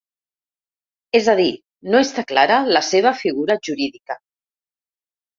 És a dir, no està clara la seva figura jurídica.